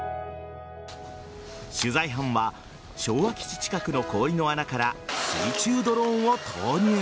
取材班は昭和基地近くの氷の穴から水中ドローンを投入。